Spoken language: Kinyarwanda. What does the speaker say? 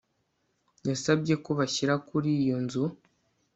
Yasabye ko bashyira kuri iyo nzu